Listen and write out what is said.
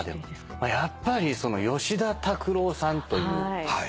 やっぱり吉田拓郎さんという。